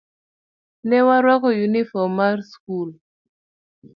Ne arwako yunifom mar skul.